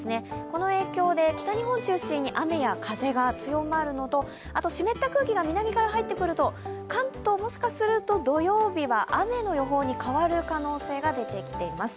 この影響で北日本を中心に雨や風が強まるのと湿った空気が南から入ってくると関東、もしかすると土曜日は雨の予報に変わる可能性が出てきています。